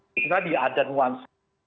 misalnya di adan once